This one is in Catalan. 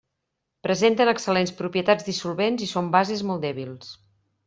Presenten excel·lents propietats dissolvents i són bases molt dèbils.